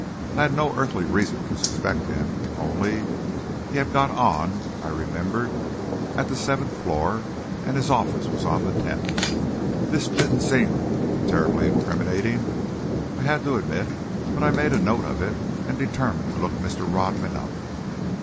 I had no earthly reason to suspect him, only, he had got on, I remembered, at the seventh floor, and his office was on the tenth. This didn't seem terribly incriminating, I had to admit, but I made a note of it, and determined to look Mr. Rodman up.